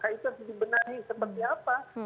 itu harus dibenahi seperti apa